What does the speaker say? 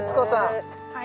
はい。